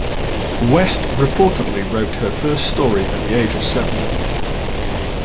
West reportedly wrote her first story at the age of seven.